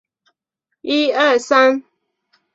降央伯姆生于青海省囊谦县的一个藏族家庭。